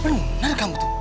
bener bener kamu tuh